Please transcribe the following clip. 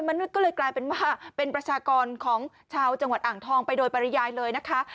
มนุษย์ก็เลยกลายเป็นว่าเป็นประชากรของชาวจังหวัดอ่างทองไปโดยปริยายเลยนะคะ